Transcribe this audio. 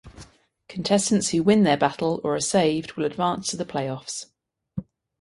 Contestants who win their battle or are saved will advance to the Playoffs.